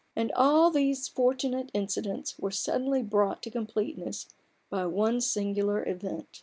And all these fortunate incidents were suddenly brought to completeness by one singular event.